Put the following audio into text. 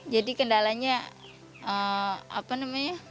jadi kendalanya apa namanya